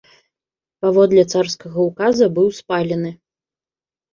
Паводле царскага ўказа быў спалены.